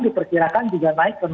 diperkirakan juga naik